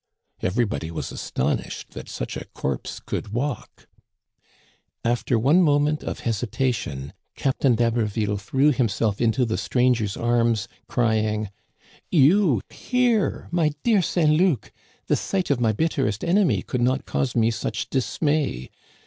Everybody was astonished that such a corpse could walk. Digitized by VjOOQIC 2l6 THE CANADIANS OF OLD, After one moment of hesitation, Captain d'Haberville threw himself into the stranger's arms, crying :" You here, my dear Saint Luc ! The sight of my bit terest enemy could not cause me such dismay.